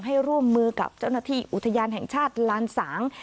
ให้ร่วมมือกับเจ้าหน้าที่อุทยานแห่งชาติลานสาง